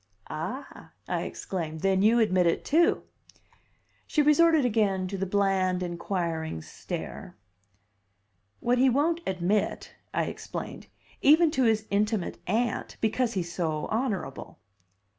"Ah," I exclaimed. "Then you admit it, too!" She resorted again to the bland, inquiring stare. "What he won't admit," I explained, "even to his intimate Aunt, because he's so honorable."